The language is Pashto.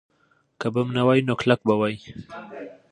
که بم نه وای، نو کلک به وای.